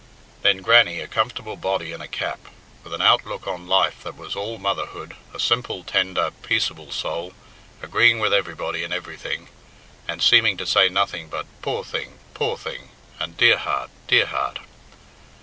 Then Grannie, a comfortable body in a cap, with an outlook on life that was all motherhood, a simple, tender, peaceable soul, agreeing with everybody and everything, and seeming to say nothing but "Poor thing! Poor thing!" and "Dear heart! Dear heart!"